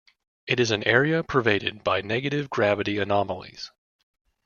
It is an area pervaded by negative gravity anomalies.